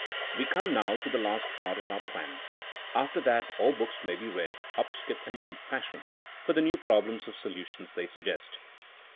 We come now to the last part of our plan —after that all books may be read 'hop, skip and jump' fashion, for the new problems or solu tions they suggest.